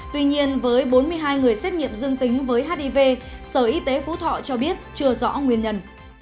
tuy nhiên với bốn mươi hai người xét nghiệm dương tính với hiv sở y tế phú thọ cho biết chưa rõ nguyên nhân